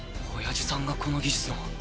親父さんがこの技術の。